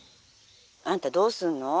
「あんたどうすんの？